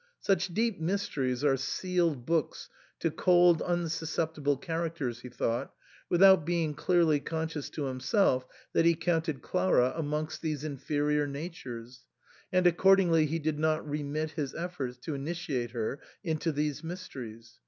Such deep mys teries are sealed books to cold, unsusceptible charac ters, he thought, without being clearly conscious to himself that he counted Clara amongst these inferior natures, and accordingly he did not remit his efforts to initiate her into these mysteries.